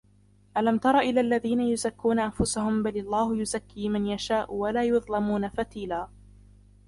أَلَمْ تَرَ إِلَى الَّذِينَ يُزَكُّونَ أَنْفُسَهُمْ بَلِ اللَّهُ يُزَكِّي مَنْ يَشَاءُ وَلَا يُظْلَمُونَ فَتِيلًا